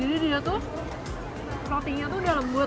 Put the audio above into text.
jadi dia tuh rotinya tuh udah lembut